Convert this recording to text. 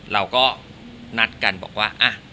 เราก็นัดกันบอกว่า